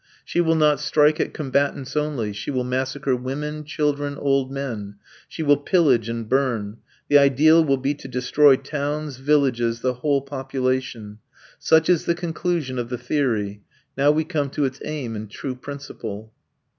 She will not strike at combatants only; she will massacre women, children, old men; she will pillage and burn; the ideal will be to destroy towns, villages, the whole population. Such is the conclusion of the theory. Now we come to its aim and true principle.